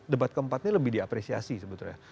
debat keempatnya lebih diapresiasi sebetulnya